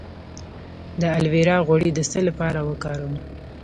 د الوویرا غوړي د څه لپاره وکاروم؟